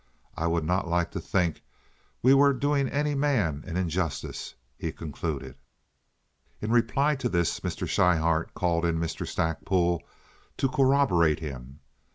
"I would not like to think we were doing any man an injustice," he concluded. In reply to this Mr. Schryhart called in Mr. Stackpole to corroborate him.